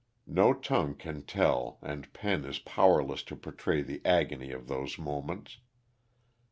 No tongue can tell and pen is powerless to portray the agony of those moments.